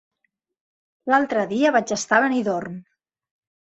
L'altre dia vaig estar a Benidorm.